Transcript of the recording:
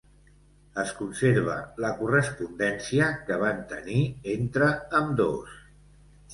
Es conserva la correspondència que van tenir entre ambdós.